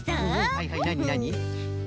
はいはいなになに？